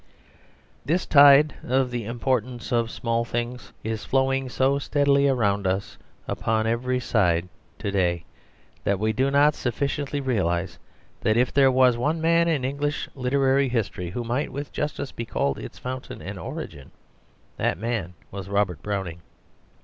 This tide of the importance of small things is flowing so steadily around us upon every side to day, that we do not sufficiently realise that if there was one man in English literary history who might with justice be called its fountain and origin, that man was Robert Browning.